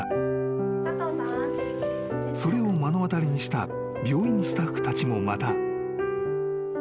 ［それを目の当たりにした病院スタッフたちもまた］